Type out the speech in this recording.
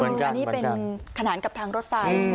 อันนี้เป็นขนานกับทางรถไฟ